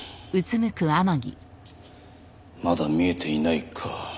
まだ見えていないか。